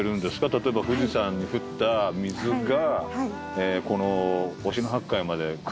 例えば富士山に降った水がこの忍野八海まで来るまで。